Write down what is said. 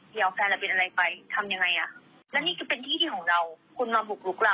เดี๋ยวเอาแฟนรับเป็นอะไรไปทำยังไงแล้วนี่ก็เป็นที่ที่ของเรา